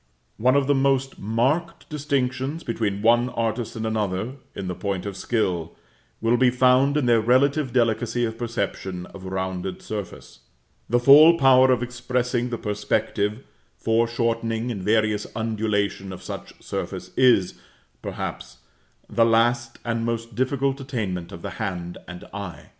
One of the most marked distinctions between one artist and another, in the point of skill, will be found in their relative delicacy of perception of rounded surface; the full power of expressing the perspective, foreshortening and various undulation of such surface is, perhaps, the last and most difficult attainment of the hand and eye.